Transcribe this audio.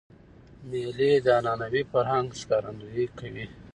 مېلې د عنعنوي فرهنګ ښکارندویي کوي.